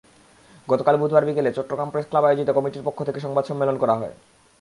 গতকাল বুধবার বিকেলে চট্টগ্রাম প্রেসক্লাবে আয়োজিত কমিটির পক্ষ থেকে সংবাদ সম্মেলন করা।